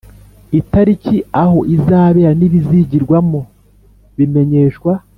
Itariki aho izabera n ibizigirwamo bimenyeshwa